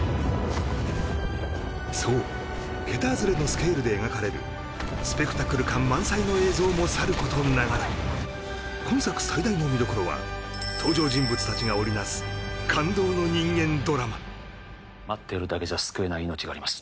そう桁外れのスケールで描かれるスペクタクル感満載の映像もさることながら今作最大の見どころは登場人物達が織り成す待ってるだけじゃ救えない命があります